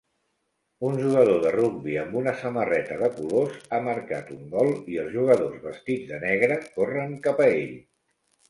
Un jugador de rugbi amb una samarreta de colors ha marcat un gol i els jugadors vestits de negre corren cap a ell